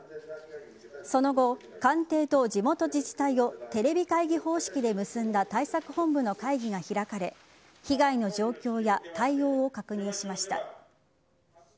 その後、官邸と地元自治体をテレビ会議方式で結んだ対策本部の会議が開かれ被害の状況や対応を確認しました。